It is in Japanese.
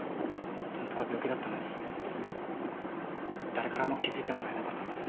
ホントは病気だったのに誰からも気付いてもらえなかったんです。